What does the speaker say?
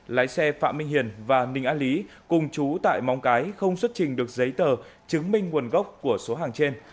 lái xe phạm minh hiền và ninh an lý cùng chú tại móng cái không xuất trình được giấy tờ chứng minh nguồn gốc của số hàng trên